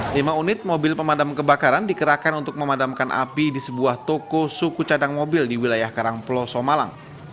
lima unit mobil pemadam kebakaran dikerahkan untuk memadamkan api di sebuah toko suku cadang mobil di wilayah karangplo somalang